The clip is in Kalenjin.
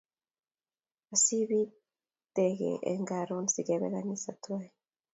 Asipiing'et karon sikebe ganisa twain